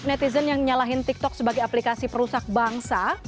netizen yang nyalahin tiktok sebagai aplikasi perusak bangsa